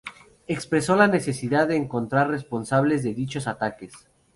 Expresó la necesidad de encontrar responsables de dichos ataques.